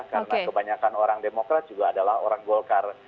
karena kebanyakan orang demokrat juga adalah orang golkar